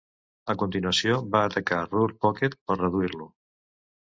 A continuació, van atacar Ruhr Pocket per reduir-lo.